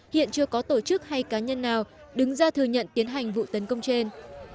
hiện chưa có tổ chức hay cá nhân nào đứng ra thừa nhận tiến hành vụ tấn công trên